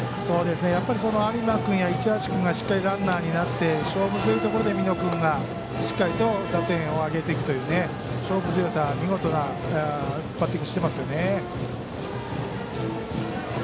やっぱり有馬君や市橋君がしっかりとランナーになって勝負強いところで美濃君がしっかりと打点をあげていく勝負強さ、見事なバッティングしていますよね。